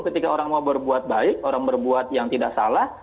ketika orang mau berbuat baik orang berbuat yang tidak salah